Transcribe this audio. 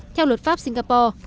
theo luật pháp singapore